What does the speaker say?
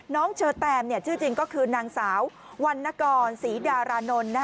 เชอแตมชื่อจริงก็คือนางสาววันนกรศรีดารานนท์